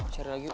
cari lagi yuk